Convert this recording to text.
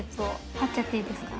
貼っちゃっていいですか？